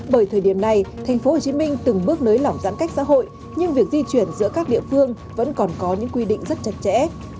bởi thời điểm này tp hcm từng bước nới lỏng giãn cách xã hội nhưng việc di chuyển giữa các địa phương vẫn còn có những quy định rất chặt chẽ